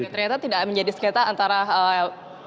ternyata tidak menjadi sekitar antara lwb